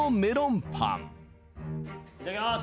いただきます！